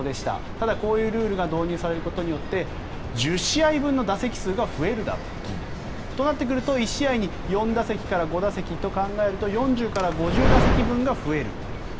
ただ、こういうルールが導入されることによって１０試合分の打席数が増えるだろうと。となってくると１試合に４打席から５打席と考えると４０から５０打席分が増える。